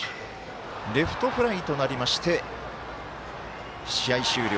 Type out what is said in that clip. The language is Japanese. レフトフライとなりまして試合終了。